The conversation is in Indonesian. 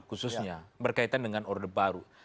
khususnya berkaitan dengan orde baru